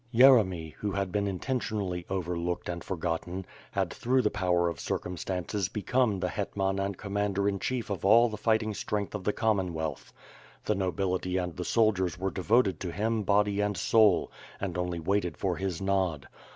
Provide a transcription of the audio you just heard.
Yeremy, who had been intentionally overlooked and forgot ten, had through the power of circumstances become the hetman and commander in chief of all the fighting* strength of the Commonwealth. The nobility and the soldiers were devoted to him, body and soul, and only waited for his nod.